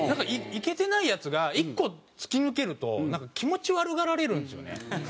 イケてないヤツが１個突き抜けるとなんか気持ち悪がられるんですよね。